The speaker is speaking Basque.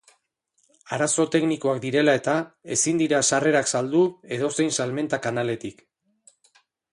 Arazo teknikoak direla eta, ezin dira sarrerak saldu edozein salmenta kanaletik.